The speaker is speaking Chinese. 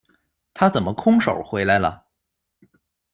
他怎么空手回来了？